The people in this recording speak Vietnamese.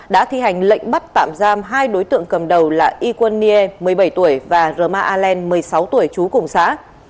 đã thi hành lệnh bắt tạm giam hai đối tượng cầm đầu là iquan nie một mươi bảy tuổi và roma alen một mươi sáu tuổi chú cùng xã